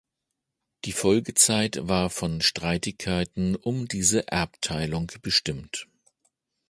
Die Folgezeit war von Streitigkeiten um diese Erbteilung bestimmt.